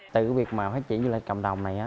từ việc mà phát triển du lịch cộng đồng này á